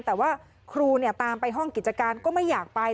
แต่ว่าครูตามไปห้องกิจการก็ไม่อยากไป